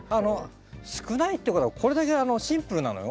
少ないってことはこれだけシンプルなのよ。